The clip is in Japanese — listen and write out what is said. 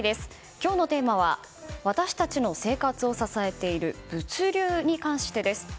今日のテーマは私たちの生活を支えている物流に関してです。